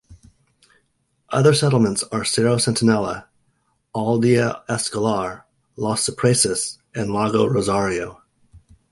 Other settlements are Cerro Centinela, Aldea Escolar, Los Cipreses and Lago Rosario.